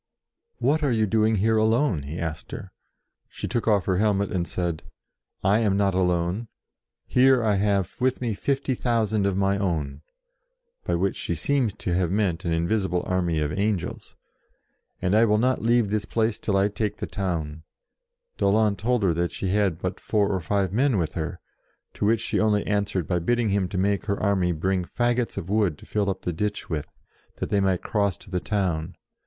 "What are you doing here alone?" he asked her. She took off her helmet and said, "I am not alone ; here I have with me fifty thou sand of my own" (by which she seems to have meant an invisible army of Angels); "and I will not leave this place till I take BESIEGES TOWNS 79 the town." D'Aulon told her that she had but four or five men with her, to which she only answered by bidding him make her army bring faggots of wood to fill up the ditch with, that they might cross to the town.